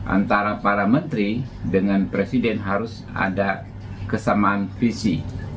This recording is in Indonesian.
antara para menteri dengan presiden harus ada kesamaan visi